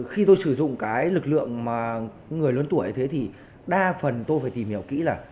khi tôi sử dụng lực lượng người lớn tuổi đa phần tôi phải tìm hiểu kỹ là